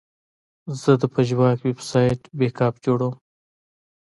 زه د پژواک ویب سایټ بیک اپ جوړوم.